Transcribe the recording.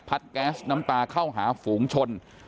แก๊สน้ำตาเข้าหาฝูงชน